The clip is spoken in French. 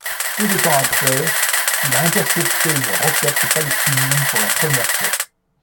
Peu de temps après, il a intercepté une roquette palestinienne pour la première fois.